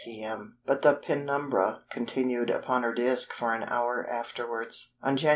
p.m.), but the penumbra continued upon her disc for an hour afterwards. On Jan.